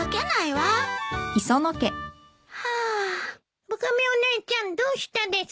ワカメお姉ちゃんどうしたですか？